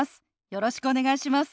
よろしくお願いします。